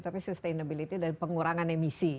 tapi sustainability dan pengurangan emisi